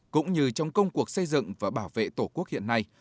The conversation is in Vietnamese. cũng như trong công cuộc xây dựng và bảo vệ tổ quốc hiện nay